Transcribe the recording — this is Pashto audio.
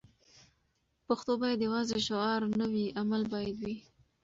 پښتو باید یوازې شعار نه وي؛ عمل باید وي.